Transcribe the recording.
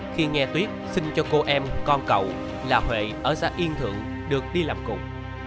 khi nghe tuyết xin cho cô em con cậu là huệ ở xã yên thượng được đi làm cùng